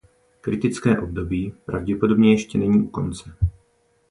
Kritické období pravděpodobně ještě není u konce.